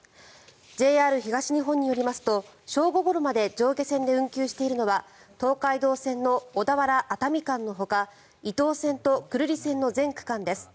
ＪＲ東日本によりますと正午ごろまで上下線で運休しているのは東海道線の小田原熱海間のほか伊東線と久留里線の全区間です。